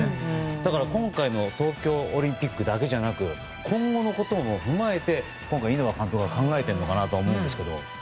だから今回の東京オリンピックだけじゃなく今後のことも踏まえて今回、稲葉監督が考えているのかなと思うんですけど。